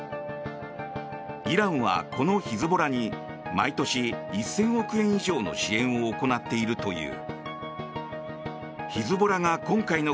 イランは、このヒズボラに毎年１０００億円以上の支援を行っているという。